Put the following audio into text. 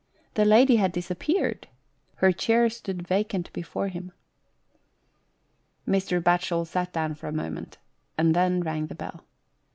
The lady had dis appeared ; her chair stood vacant before him. Mr. Batchel sat down for a moment, and then rang the bell.